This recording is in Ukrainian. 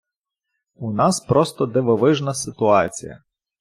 У нас просто дивовижна ситуація.